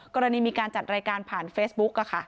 กรณีมีการจัดรายการผ่านเฟซบุ๊ก